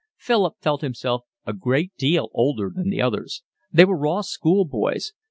Philip felt himself a great deal older than the others. They were raw schoolboys.